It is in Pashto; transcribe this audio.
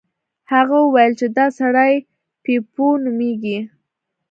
هغه وویل چې دا سړی بیپو نومیږي.